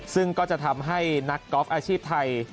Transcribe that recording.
ซึ่งก็จะทำให้นักกอล์ฟอาชีพไทย